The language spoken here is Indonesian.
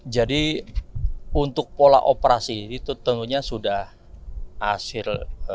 jadi untuk pola operasi itu tentunya sudah hasil